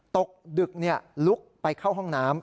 ตกดึกลุกไปเข้าห้องน้ำ